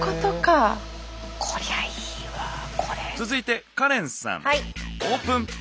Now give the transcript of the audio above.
続いてカレンさんオープン！